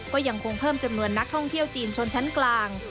ก็ยังคงเพิ่มจำนวนนักท่องเที่ยวจีนชนชั้นกลาง